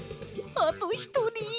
あとひとり。